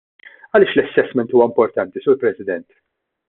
Għaliex l-assessment huwa importanti, Sur President?